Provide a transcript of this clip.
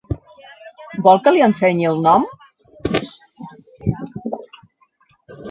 Vol que li ensenyi el nom?